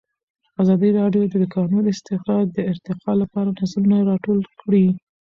ازادي راډیو د د کانونو استخراج د ارتقا لپاره نظرونه راټول کړي.